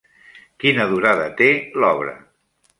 Quina durada té l'obra?